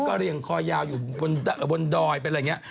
ก็เรียงคอยาวอยู่บนดอยเป็นอะไรอย่างนี้